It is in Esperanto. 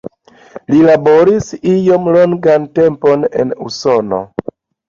Li laboris iom longan tempon en Usono.